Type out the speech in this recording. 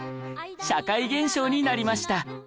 社会現象になりました